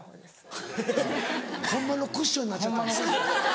ハハハホンマのクッションになっちゃったんですね。